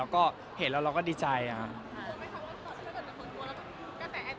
แล้วก็เห็นแล้วเราก็ดีใจนะครับ